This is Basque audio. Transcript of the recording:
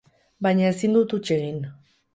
Baina ezin du huts egin.